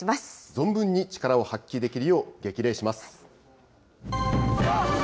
存分に力を発揮できるよう、激励します。